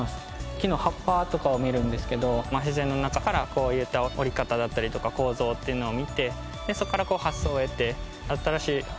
木の葉っぱとかを見るんですけど自然の中からこういった折り方だったりとか構造っていうのを見てでそこから発想を得て。